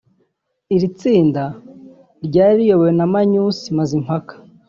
iri tsinda ryari riyobowe na Magnus Mazimpaka